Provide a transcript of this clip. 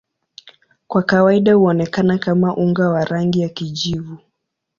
Kwa kawaida huonekana kama unga wa rangi ya kijivu.